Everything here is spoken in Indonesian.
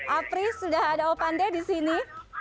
apri sudah ada opande disini